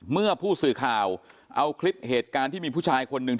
เมื่อผู้สื่อข่าวเอาคลิปเหตุการณ์ที่มีผู้ชายคนหนึ่ง